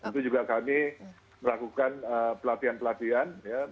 itu juga kami melakukan pelatihan pelatihan